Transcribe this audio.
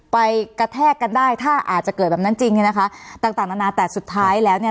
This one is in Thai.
ไปกระแทกกันได้ถ้าอาจจะเกิดแบบนั้นจริงเนี่ยนะคะต่างต่างนานาแต่สุดท้ายแล้วเนี่ย